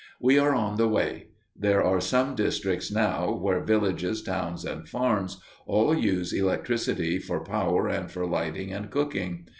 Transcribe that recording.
We are on the way. There are some districts now where villages, towns, and farms all use electricity for power and for lighting and cooking.